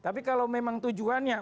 tapi kalau memang tujuannya